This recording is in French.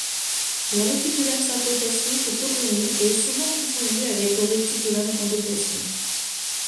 Le réticulum sarcoplasmique est peu connu et est souvent confondu avec le réticulum endoplasmique.